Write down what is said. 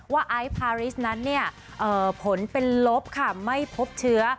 ไอซ์พาริสนั้นผลเป็นลบค่ะไม่พบเชื้อ